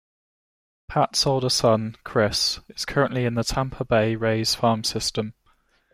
Pat's older son, Chris, is currently in the Tampa Bay Rays farm system.